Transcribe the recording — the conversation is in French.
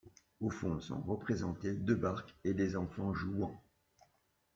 Au fond sont représentées deux barques et des enfants jouant.